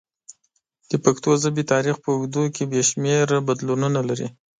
د پښتو ژبې تاریخ په اوږدو کې بې شمېره بدلونونه لري.